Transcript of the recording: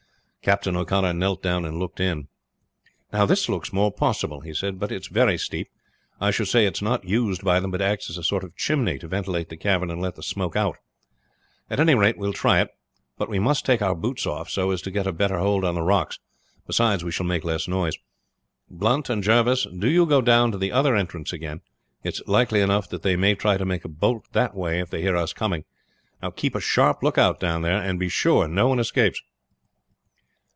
Captain O'Connor knelt down and looked in. "This looks more possible," he said; "but it's very steep. I should say it is not used by them, but acts as a sort of chimney to ventilate the cavern and let the smoke out. At any rate we will try it; but we must take our boots off so as to get a better hold on the rocks, beside we shall make less noise. Blunt and Jervis, do you go down to the other entrance again. It is likely enough that they may try to make a bolt that way if they hear us coming. Keep a sharp lookout down there, and be sure no one escapes."